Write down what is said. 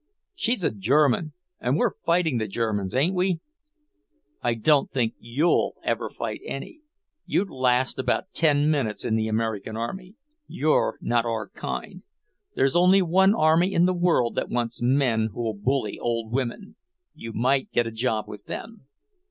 "She's a German, and we're fighting the Germans, ain't we?" "I don't think you'll ever fight any. You'd last about ten minutes in the American army. You're not our kind. There's only one army in the world that wants men who'll bully old women. You might get a job with them."